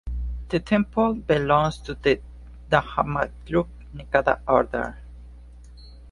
The temple belongs to the Dhammayuttika Nikaya order.